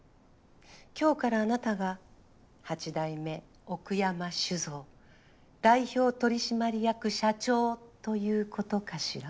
今日からあなたが八代目奥山酒造代表取締役社長ということかしら？